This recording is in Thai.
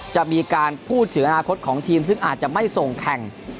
จะมีการพูดถึงอนาคตของทีมซึ่งอาจจะไม่ส่งแข่ง